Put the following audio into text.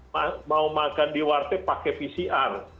mau makan di warteg pakai pcr